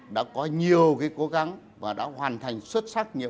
đã có nhiều cố gắng và đã hoàn thành xuất sắc